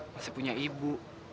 masih punya ibu